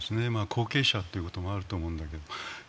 後継者ということもあると思うんだけど。